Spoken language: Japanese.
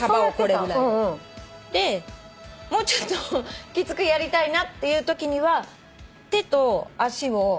もうちょっときつくやりたいなっていうときには手と足をおんなじぐらい。